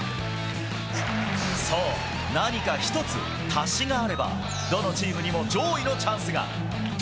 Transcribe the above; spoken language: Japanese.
そう、何か１つ足しがあればどのチームにも上位のチャンスが。